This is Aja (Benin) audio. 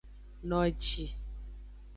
Noji.